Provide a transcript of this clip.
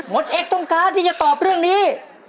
ดเอ็กซต้องการที่จะตอบเรื่องนี้